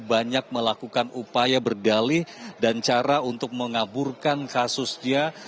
banyak melakukan upaya berdalih dan cara untuk mengaburkan kasusnya